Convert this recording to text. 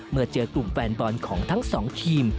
เมื่อเจอกลุ่มแฟนบอลของทั้งสองทีม